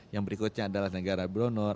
yang berikutnya adalah negara bronor